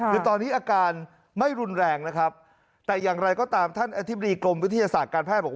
คือตอนนี้อาการไม่รุนแรงนะครับแต่อย่างไรก็ตามท่านอธิบดีกรมวิทยาศาสตร์การแพทย์บอก